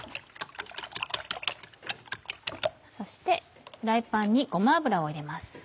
そしてフライパンにごま油を入れます。